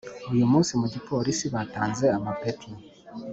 Uyumunsi mugipolisi batanze amapeti